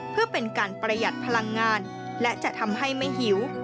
เพื่อเป็นการประหยัดพลังงานและจะทำให้ไม่หิว